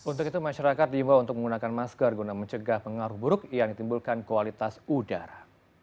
untuk itu masyarakat diimbau untuk menggunakan masker guna mencegah pengaruh buruk yang ditimbulkan kualitas udara